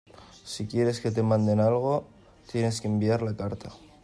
si quieres que te manden algo, tienes que enviar la carta.